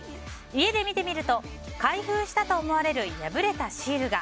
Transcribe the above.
家で見てみると開封したと思われる破れたシールが。